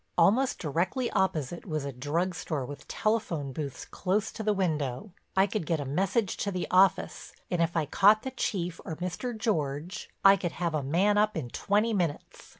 Almost directly opposite was a drug store with telephone booths close to the window. I could get a message to the office, and if I caught the chief or Mr. George, I could have a man up in twenty minutes.